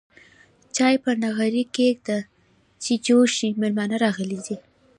چاي په نغرې کيده چې جوش شي ميلمانه راغلي دي.